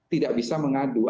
tidak bisa mengadu